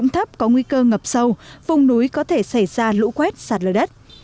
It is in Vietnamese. thấp có nguy cơ ngập sâu vùng núi có thể xảy ra lũ quét sạt lở đất